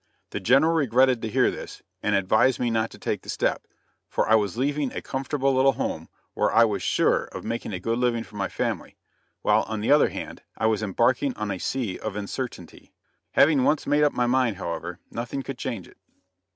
The General regretted to hear this, and advised me not to take the step, for I was leaving a comfortable little home, where I was sure of making a good living for my family; while, on the other hand, I was embarking upon a sea of uncertainty. Having once made up my mind, however, nothing could change it.